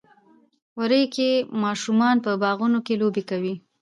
وری کې ماشومان په باغونو کې لوبې کوي.